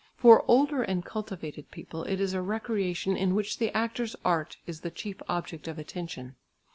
For older and cultivated people it is a recreation in which the actor's art is the chief object of attention.